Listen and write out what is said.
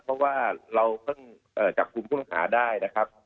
เพราะว่าเราต้องจับภูมิคุณภาคาได้นะครับ